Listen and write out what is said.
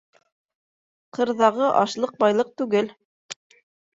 Ҡырҙағы ашлыҡ байлыҡ түгел